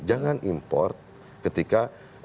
jangan import ketika